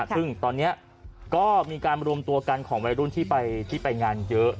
ซึ่งตอนนี้ก็มีการรวมตัวกันของวัยรุ่นที่ไปงานเยอะ